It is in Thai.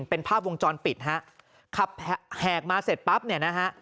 เป็นภาพวงจรปิดฮะขับแหกมาเสร็จปั๊บเนี่ยนะฮะ